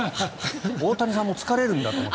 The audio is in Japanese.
大谷さんも疲れるんだと思って。